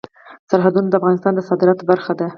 سرحدونه د افغانستان د صادراتو برخه ده.